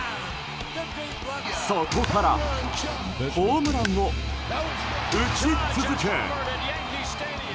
そこからホームランを打ち続け。